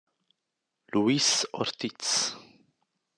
Luis Ortiz